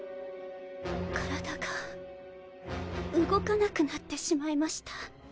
身体が動かなくなってしまいました。